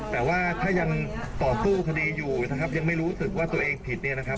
แต่ว่าถ้ายังต่อสู้คดีอยู่นะครับยังไม่รู้สึกว่าตัวเองผิดเนี่ยนะครับ